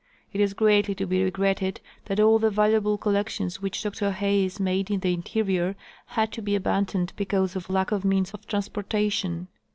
It is greatly to be regretted that all the valuable collections which Dr Hayes made in the interior had to be abandoned because of lack of means of transjoortation.